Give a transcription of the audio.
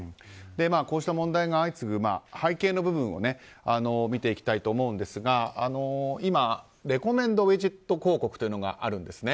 こうした問題が相次ぐ背景の部分を見ていきたいと思いますが今、レコメンドウィジェット広告というのがあるんですね。